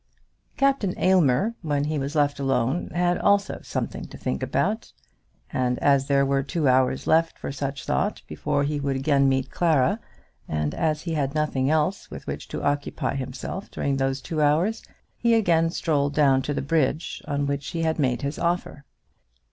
Captain Aylmer when he was left alone had also something to think about; and as there were two hours left for such thought before he would again meet Clara, and as he had nothing else with which to occupy himself during those two hours, he again strolled down to the bridge on which he had made his offer.